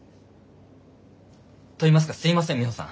といいますかすいませんミホさん